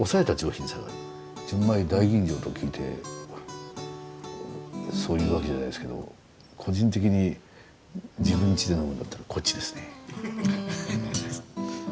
純米大吟醸と聞いてそう言うわけじゃないですけど個人的に自分ちで呑むんだったらこっちですね。